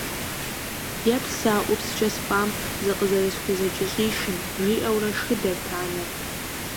«Еплъ сэ а ӏупскӏэ спӏам зыкъызэрысхузэкӏэщӏишым», жиӏэурэ шхыдэрт анэр.